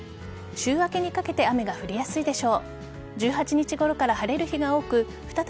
週明けにかけて雨が降りやすいでしょう。